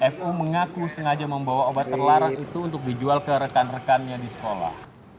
fu mengaku sengaja membawa obat terlarang itu untuk dijual ke rekan rekannya di sekolah